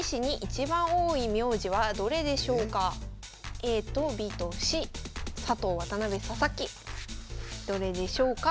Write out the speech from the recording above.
ＡとＢとＣ佐藤渡辺佐々木どれでしょうか？